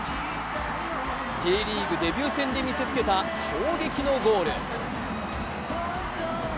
Ｊリーグデビュー戦で見せつけた衝撃のゴール。